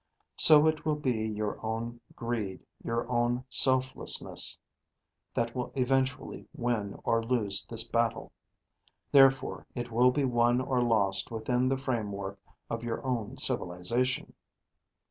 So it will be your own greed, your own selflessness that will eventually win or lose this battle. Therefore it will be won or lost within the framework of your own civilization."